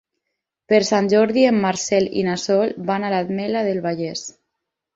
Per Sant Jordi en Marcel i na Sol van a l'Ametlla del Vallès.